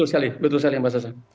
iya betul sekali mbak sasa